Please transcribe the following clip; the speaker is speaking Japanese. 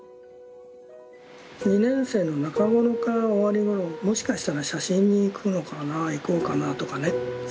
２年生の中ごろか終わりごろもしかしたら写真に行くのかな行こうかなとかねすごく迷ってた。